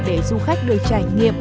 để du khách được trải nghiệm